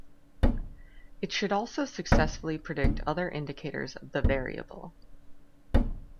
It should also successfully predict other indicators of the variable.